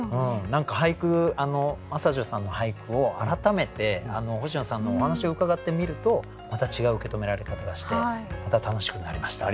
何か真砂女さんの俳句を改めて星野さんのお話を伺って見るとまた違う受け止められ方がしてまた楽しくなりました。